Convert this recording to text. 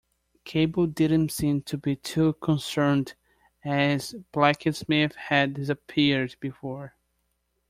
Cable didn't seem to be too concerned as Blaquesmith had disappeared before.